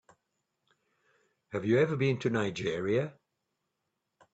Have you ever been to Nigeria?